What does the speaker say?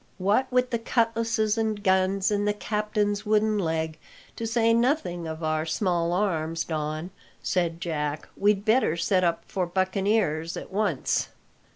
"What with the cutlasses and guns, and the captain's wooden leg, to say nothing of our small arms, Don," said Jack, "we'd better set up for buccaneers at once."